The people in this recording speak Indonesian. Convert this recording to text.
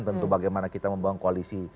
tentu bagaimana kita membangun koalisi